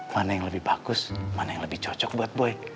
mana yang lebih bagus mana yang lebih cocok buat boy